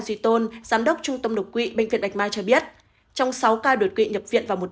duy tôn giám đốc trung tâm đột quỵ bệnh viện bạch mai cho biết trong sáu ca đột quỵ nhập viện vào một